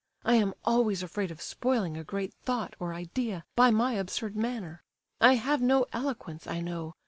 I am always afraid of spoiling a great Thought or Idea by my absurd manner. I have no eloquence, I know.